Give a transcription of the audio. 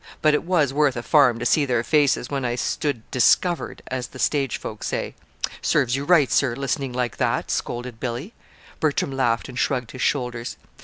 But it was worth a farm to see their faces when I stood 'discovered' as the stage folk say." "Serves you right, sir listening like that," scolded Billy. Bertram laughed and shrugged his shoulders.